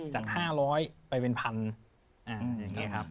จาก๕๐๐ไปเป็นพันอย่างนี้ครับ